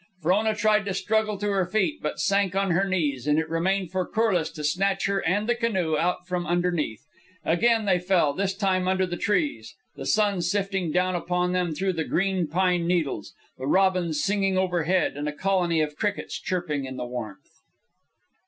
Frona tried to struggle to her feet, but sank on her knees; and it remained for Corliss to snatch her and the canoe out from underneath. Again they fell, this time under the trees, the sun sifting down upon them through the green pine needles, the robins singing overhead, and a colony of crickets chirping in the warmth.